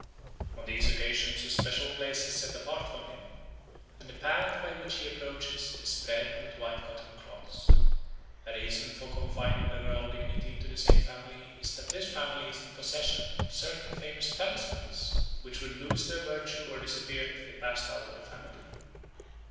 On these occasions a special place is set apart for him; and the path by which he approaches is spread with white cotton cloths. A reason for confining the royal dignity to the same family is that this family is in possession of certain famous talismans which would lose their virtue or disappear if they passed out of the family.